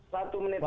satu menit saja